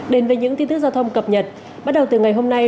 đến với những tin tức giao thông cập nhật bắt đầu từ ngày hôm nay